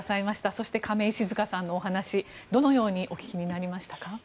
そして亀井静香さんのお話どのようにお聞きになりましたか？